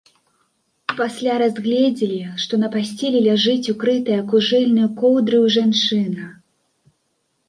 Пасля разгледзелі, што на пасцелі ляжыць укрытая кужэльнаю коўдраю жанчына.